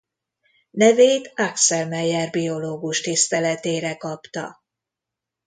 Nevét Axel Meyer biológus tiszteletére kapta.